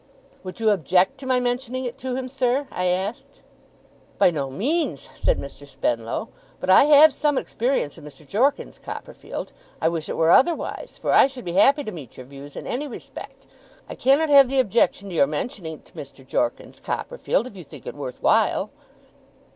'Would you object to my mentioning it to him, sir?' I asked. 'By no means,' said Mr. Spenlow. 'But I have some experience of Mr. Jorkins, Copperfield. I wish it were otherwise, for I should be happy to meet your views in any respect. I cannot have the objection to your mentioning it to Mr. Jorkins, Copperfield, if you think it worth while.